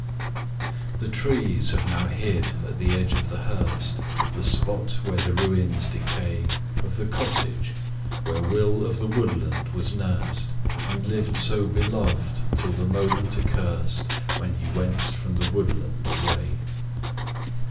THE trees have now hid at the edge of the hurst The spot where the ruins decay Of the cottage, where Will of the Woodland was nursed, And lived so beloved, till the moment accursed When he went from the woodland away.